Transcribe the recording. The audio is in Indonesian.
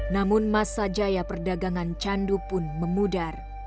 namun masa jaya perdagangan candu pun memudar